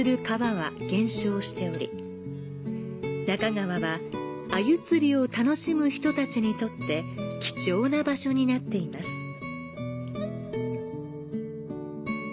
那珂川は鮎釣りを楽しむ人たちにとって貴重な場所になっています。